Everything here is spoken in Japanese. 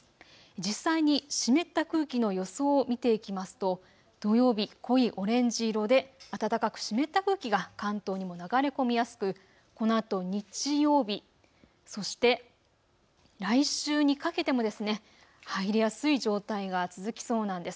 実際に湿った空気の予想を見ていきますと土曜日、濃いオレンジ色で暖かく湿った空気が関東にも流れ込みやすくこのあと日曜日、そして来週にかけても入りやすい状態は続きそうなんです。